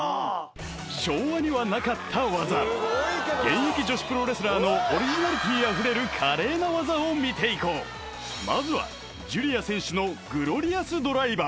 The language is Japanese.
昭和にはなかった技現役女子プロレスラーのオリジナリティーあふれる華麗な技を見ていこうまずはジュリア選手のここからグロリアス・ドライバー！